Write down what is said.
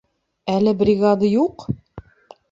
Әле бригада юҡ?